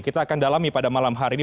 kita akan dalami pada malam hari ini